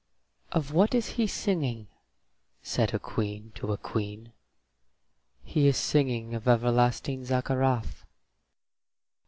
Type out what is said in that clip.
"Of what is he singing?" said a queen to a queen. "He is singing of everlasting Zaccarath."